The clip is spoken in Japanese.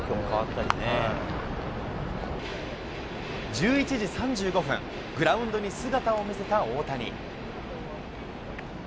１１時３５分、グラウンドに姿を見せた大谷。